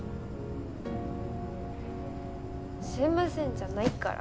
すみませんじゃないから。